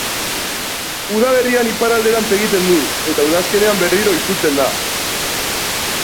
Udaberrian iparralderantz egiten du, eta udazkenean berriro itzultzen da.